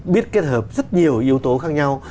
biết kết hợp rất nhiều yếu tố khác nhau